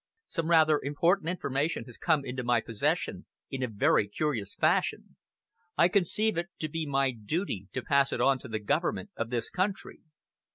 Some rather important information has come into my possession in a very curious fashion. I conceive it to be my duty to pass it on to the government of this country.